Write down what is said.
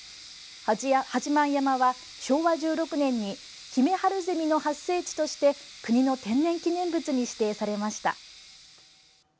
八幡山は昭和１６年に「ヒメハルゼミの発生地」として国の天然記念物に指定されました。